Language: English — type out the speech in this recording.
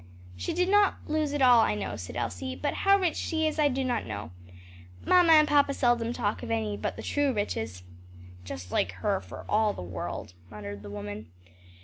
"She did not lose it all, I know," said Elsie, "but how rich she is I do not know; mamma and papa seldom talk of any but the true riches." "Just like her, for all the world!" muttered the woman.